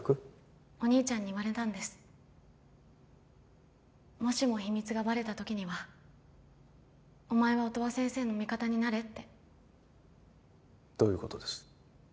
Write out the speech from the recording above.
お兄ちゃんに言われたんですもしも秘密がバレた時にはお前は音羽先生の味方になれってどういうことです？